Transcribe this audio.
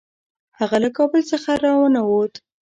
هغه له کابل څخه را ونه ووت.